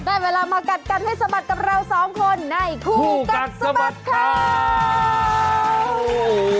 ได้เวลามากัดกันให้สะบัดกับเราสองคนในคู่กัดสะบัดข่าว